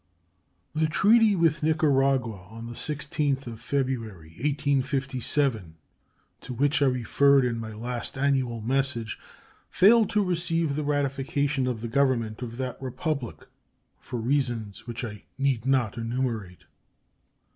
The treaty with Nicaragua of the 16th of February, 1857, to which I referred in my last annual message, failed to receive the ratification of the Government of that Republic, for reasons which I need not enumerate.